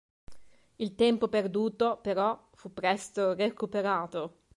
Il tempo perduto, però, fu presto recuperato.